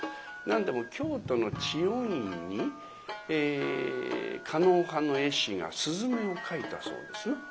何でも京都の知恩院に狩野派の絵師が雀を描いたそうですな。